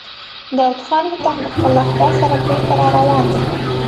داوود خان هوتک له خپل لښکر سره بېرته را روان و.